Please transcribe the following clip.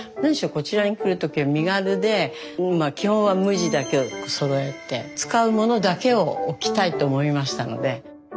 こちらに来る時は身軽で基本は無地だけをそろえて使うものだけを置きたいと思いましたので。